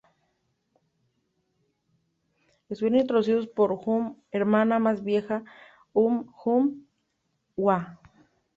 Estuvieron introducidos por Uhm hermana más vieja Uhm Jung-hwa.